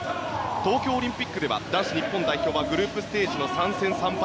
東京オリンピックでは男子日本代表はグループステージの３戦３敗